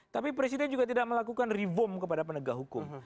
tapi presiden juga tidak melakukan reform kepada penegak hukum